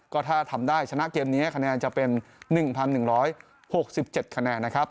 ก็ถ้าทำได้ชนะเกมนี้คะแนนจะเป็น๑๑๖๗คะแนนนะครับ